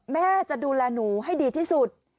แม่จะดูแลหนูให้ดีที่สุด